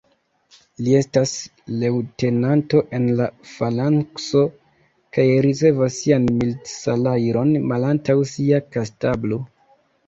Li estas leŭtenanto en la _falankso_ kaj ricevas sian milit-salajron malantaŭ sia kastablo.